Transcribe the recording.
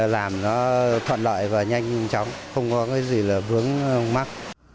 làm nó thuận lợi và nhanh chóng không có cái gì là vướng mắc